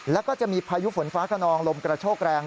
แล้วก็จะมีพายุฝนฟ้าขนองลมกระโชกแรง